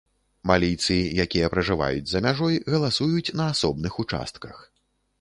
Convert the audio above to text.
Малійцы, якія пражываюць за мяжой галасуюць на асобных участках.